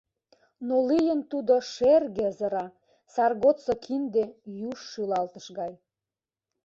Но лийын тудо шерге ызыра: сар годсо кинде — юж шӱлалтыш гай.